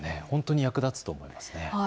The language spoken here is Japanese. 本当に役立つと思います。